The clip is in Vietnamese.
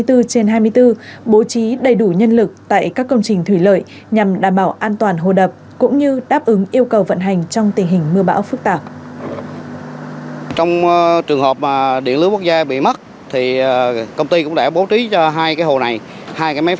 hai mươi bốn trên hai mươi bốn bố trí đầy đủ nhân lực tại các công trình thủy lợi nhằm đảm bảo an toàn hồ đập cũng như đáp ứng yêu cầu vận hành trong tình hình mưa bão phức tạp